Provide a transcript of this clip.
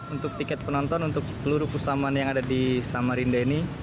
untuk tiket penonton untuk seluruh pusaman yang ada di samarinda ini